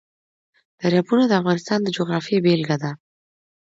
دریابونه د افغانستان د جغرافیې بېلګه ده.